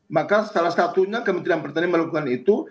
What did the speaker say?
maka salah satunya kementerian pertanian melakukan itu